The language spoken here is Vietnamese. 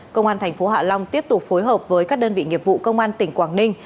công an thành phố hạ long tiếp tục phối hợp với các đơn vị nghiệp vụ công an tỉnh quảng ninh